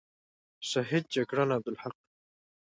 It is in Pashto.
شهید جگړن عبدالحق،